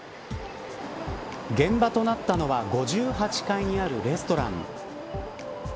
現場となったのは５８階にあるレストラン。